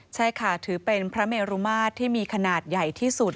ใช่ค่ะถือเป็นพระเมรุมาตรที่มีขนาดใหญ่ที่สุด